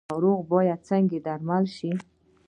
ناروغه باید څنګه درمل شي؟